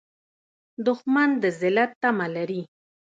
دښمن د ذلت تمه لري